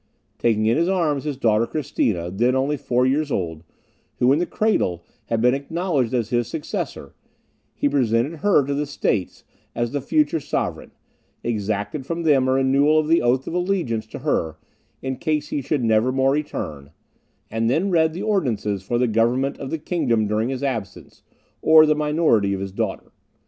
Taking in his arms his daughter Christina, then only four years old, who, in the cradle, had been acknowledged as his successor, he presented her to the States as the future sovereign, exacted from them a renewal of the oath of allegiance to her, in case he should never more return; and then read the ordinances for the government of the kingdom during his absence, or the minority of his daughter.